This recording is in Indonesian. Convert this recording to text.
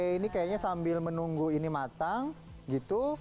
ini kayaknya sambil menunggu ini matang gitu